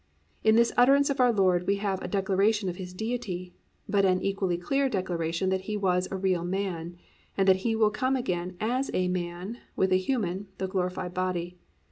"+ In this utterance of our Lord we have a declaration of His Deity, but an equally clear declaration that He was a real man, and that He will come again as a man with a human, though glorified body.